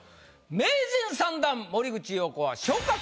名人３段森口瑤子は。